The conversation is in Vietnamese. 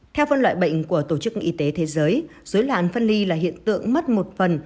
theo phân loại bệnh của tổ chức y tế thế giới dối loạn phân ly là hiện tượng mất một phần